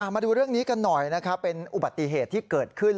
มาดูเรื่องนี้กันหน่อยนะครับเป็นอุบัติเหตุที่เกิดขึ้น